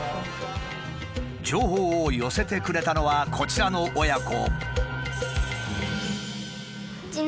情報を寄せてくれたのはこちらの親子。